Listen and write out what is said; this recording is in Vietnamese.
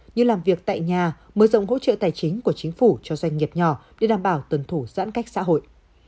như làm việc tại nhà mở rộng hỗ trợ tài chính của chính phủ cho doanh nghiệp nhỏ để đảm bảo tuân thủ giãn cách xã hội